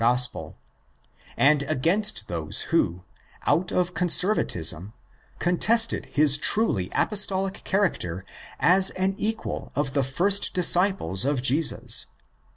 Gospel, and against those who, out of conservatism, contested his truly Apostolic character as an equal of the first disciples of Jesus.